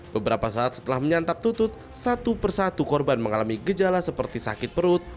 beberapa saat setelah menyantap tutut satu persatu korban mengalami gejala seperti sakit perut